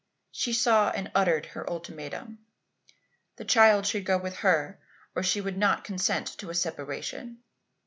She saw and uttered her ultimatum. The child should go with her or she would not consent to a separation.